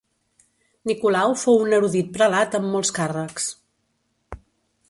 Nicolau fou un erudit prelat amb molts càrrecs.